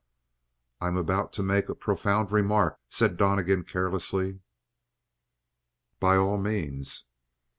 "I am about to make a profound remark," said Donnegan carelessly. "By all means."